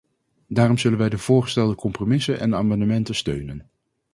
Daarom zullen wij de voorgestelde compromissen en amendementen steunen.